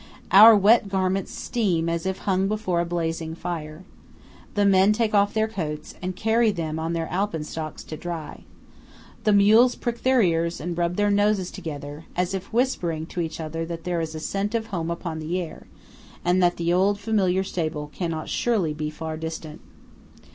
Our wet garments steam as if hung before a blazing fire. The men take off their coats, and carry them on their alpenstocks to dry. The mules prick their ears and rub their noses together, as if whispering to each other that there is a scent of home upon the air, and that the old familiar stable cannot surely be far distant.